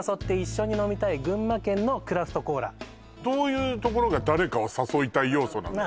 はいどういうところが誰かを誘いたい要素なの？